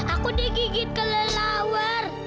aku digigit kelelawar